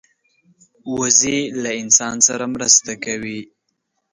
وزې له انسان سره مرسته کوي